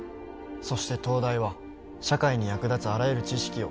「そして東大は社会に役立つあらゆる知識を」